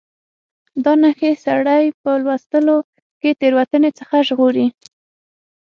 دا نښې سړی په لوستلو کې له تېروتنې څخه ژغوري.